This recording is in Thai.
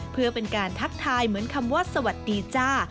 เพื่อเป็นการทักทายเหมือนคำว่าสวัสดีจ้า